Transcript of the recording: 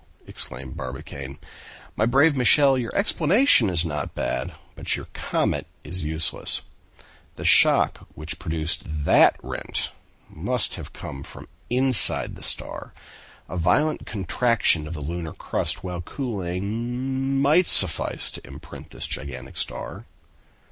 exclaimed Barbicane. "My brave Michel, your explanation is not bad; but your comet is useless. The shock which produced that rent must have some from the inside of the star. A violent contraction of the lunar crust, while cooling, might suffice to imprint this gigantic star."